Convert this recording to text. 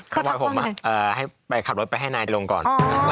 ทำไมผมให้ไปขับรถไปให้นายลงก่อน